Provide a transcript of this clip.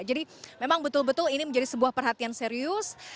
jadi memang betul betul ini menjadi sebuah perhatian serius